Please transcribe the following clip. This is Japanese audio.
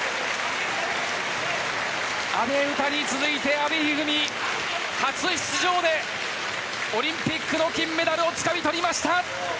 阿部詩に続いて、阿部一二三初出場でオリンピックの金メダルをつかみとりました。